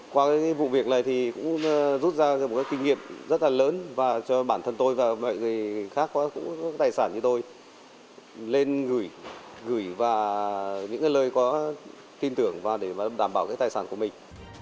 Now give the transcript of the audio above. qua cái vụ việc này thì cũng rút ra một cái kinh nghiệm rất là lớn và cho bản thân tôi và mọi người khác có tài sản như tôi lên gửi và những lời có tin tưởng và để đảm bảo cái tài sản của mình